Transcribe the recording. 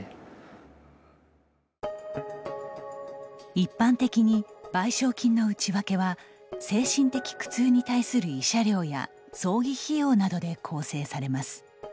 一般的に、賠償金の内訳は精神的苦痛に対する慰謝料や葬儀費用などで構成されます。